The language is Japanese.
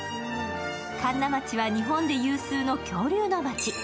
神流町は日本で有数の恐竜の町。